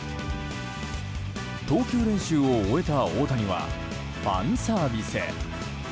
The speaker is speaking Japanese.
投球練習を終えた大谷はファンサービス。